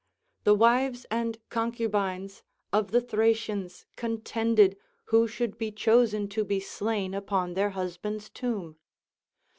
The wives and concubines of the Thracians contended who should be chosen to be slain upon their husband's tomb.